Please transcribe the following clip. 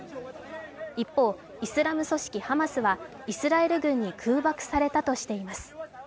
一方、イスラム組織ハマスはイスラエル軍に空爆されたとしています。